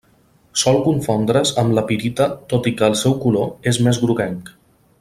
Sol confondre's amb la pirita tot i que el seu color és més groguenc.